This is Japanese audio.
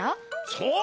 そう。